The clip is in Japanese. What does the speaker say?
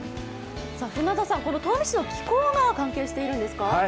船田さん、東御市の気候が関係しているんですか？